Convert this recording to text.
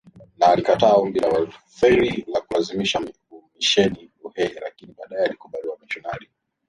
na alikataa ombi la Walutheri la kuanzisha misheni Uhehe lakini baadaye alikubali wamisionari Wabenedikto